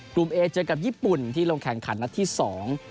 เอมเอเจอกับญี่ปุ่นที่ลงแข่งขันนัดที่สอง